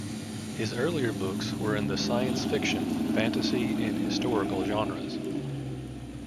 His earlier books were in the science fiction, fantasy and historical genres.